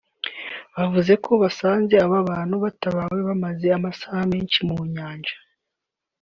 bavuze ko basanze aba bantu batabawe bamaze amasaha menshi mu Nyanja